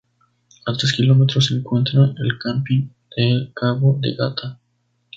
A tres kilómetros se encuentra el camping de Cabo de Gata.